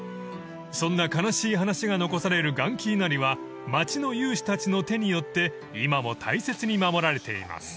［そんな悲しい話が残される岩亀稲荷は街の有志たちの手によって今も大切に守られています］